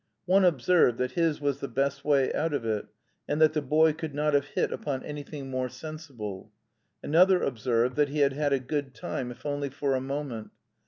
One observed that his was the best way out of it, and that the boy could not have hit upon anything more sensible; another observed that he had had a good time if only for a moment.